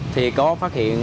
thì có phát hiện